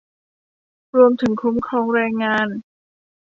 รวมถึงคุ้มครองแรงงาน